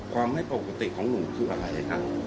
ความไม่ปกติของหนูคืออะไรครับ